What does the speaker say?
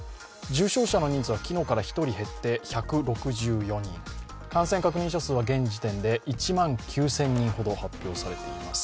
重症者の人数は、昨日から１人減って１６４人、感染確認者数は現時点で１万９０００人ほどが発表されています